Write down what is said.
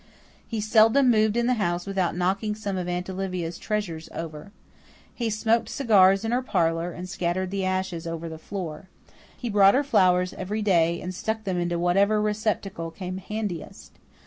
He seldom moved in the house without knocking some of Aunt Olivia's treasures over. He smoked cigars in her parlour and scattered the ashes over the floor. He brought her flowers every day and stuck them into whatever receptacle came handiest.